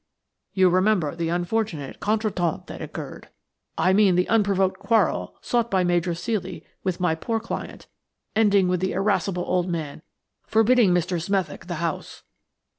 You remember the unfortunate contretemps that occurred: I mean the unprovoked quarrel sought by Major Ceely with my poor client, ending with the irascible old man forbidding Mr. Smethick the house.